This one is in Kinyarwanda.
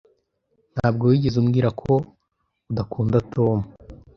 Ntabwo wigeze umbwira ko udakunda Tom